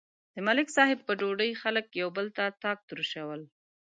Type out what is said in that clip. د ملک صاحب په ډوډۍ خلک یو بل ته ټاک تروش کول.